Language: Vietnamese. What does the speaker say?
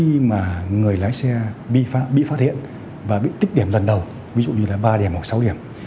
khi mà người lái xe bị phát hiện và bị tích điểm lần đầu ví dụ như là ba điểm hoặc sáu điểm